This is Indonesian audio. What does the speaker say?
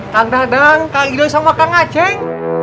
kak dadang kak idho sama kak ngaceng